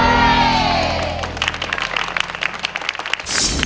จำแทน